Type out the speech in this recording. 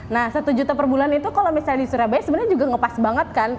nah satu juta per bulan itu kalau misalnya di surabaya sebenarnya juga ngepas banget kan